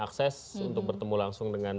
akses untuk bertemu langsung dengan